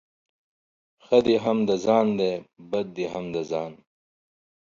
ښه دي هم د ځان دي ، بد دي هم د ځآن.